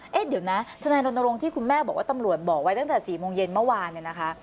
เดี๋ยวนะทนายตนตรงที่คุณแม่บอกว่าตำรวจบอกไว้ตั้งแต่๔โมงเย็นเมื่อวาน